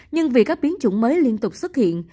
nhưng vì các biến chủng mới liên tục xuất hiện